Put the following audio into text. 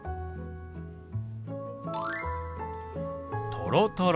「とろとろ」。